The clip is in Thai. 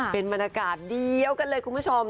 เป็นบรรยากาศเดียวกันเลยคุณผู้ชม